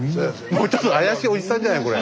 もうちょっと怪しいおじさんじゃないこれ。